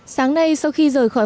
sáng nay sau khi rời khỏi